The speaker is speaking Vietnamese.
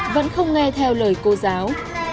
vẫn không nghe theo lời cô giáo